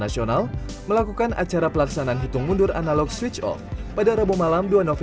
tiga dua satu silahkan